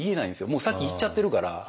もう先いっちゃってるから。